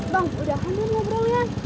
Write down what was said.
bang udah handal ngobrolnya